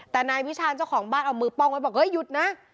แต่นายวิชาญเจ้าของบ้านเอามือป้องไว้บอกเฮ้ยหยุดนะ